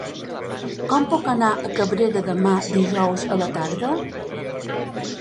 Com puc anar a Cabrera de Mar dijous a la tarda?